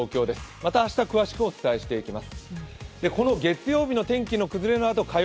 また明日、詳しくお伝えしていきます。